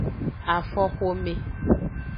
Afoxome.